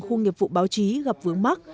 khu nghiệp vụ báo chí gặp vướng mắt